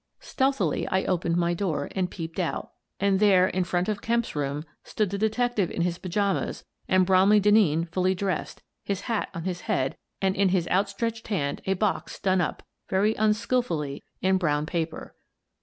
Stealthily I opened my door arid peeped out, and there, in front of Kemp's room, stood the detective in his pajamas and Bromley Denneen fully dressed, his hat on his head, and in his outstretched hand a box done up — very unskilfully — in brown paper.